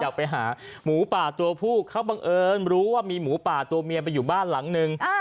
ไปหาหมูป่าตัวผู้เขาบังเอิญรู้ว่ามีหมูป่าตัวเมียไปอยู่บ้านหลังนึง